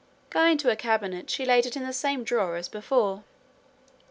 Going to her cabinet, she laid it in the same drawer as before.